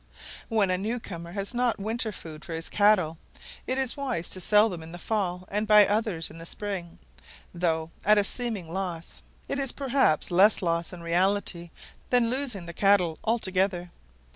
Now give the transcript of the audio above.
When a new comer has not winter food for his cattle, it is wise to sell them in the fall and buy others in the spring: though at a seeming loss, it is perhaps less loss in reality than losing the cattle altogether.